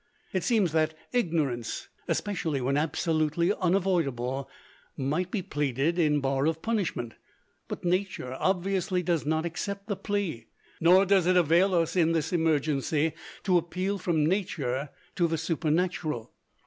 It seems that ignorance, especially when absolutely unavoidable, might be pleaded in bar of punishment; but nature obviously does not accept the plea. Nor does it avail us in this emergency to appeal from Nature to the Supernatural.